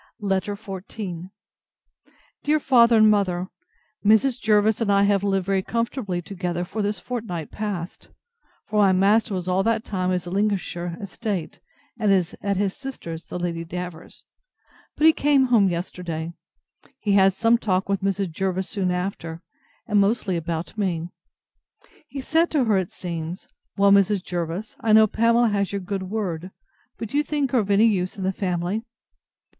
LETTER XIV DEAR FATHER AND MOTHER, Mrs. Jervis and I have lived very comfortably together for this fortnight past; for my master was all that time at his Lincolnshire estate, and at his sister's, the Lady Davers. But he came home yesterday. He had some talk with Mrs. Jervis soon after, and mostly about me. He said to her, it seems, Well, Mrs. Jervis, I know Pamela has your good word; but do you think her of any use in the family?